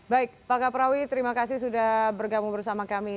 baik pak kaprawi terima kasih sudah bergabung bersama kami